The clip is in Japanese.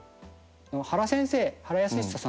原先生。